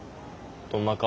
どんな顔？